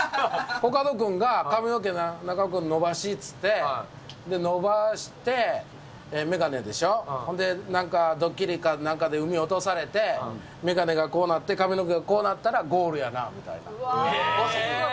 コカド君が髪の毛、中岡君、伸ばしって言って、伸ばして、眼鏡でしょ、ほんで、なんかどっきりかなんかで海落とされて、眼鏡がこうなって髪の毛がこうなったらゴールやなみたいな。